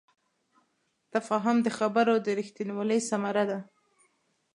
تفاهم د خبرو د رښتینوالي ثمره ده.